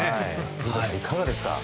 古田さん、いかがですか？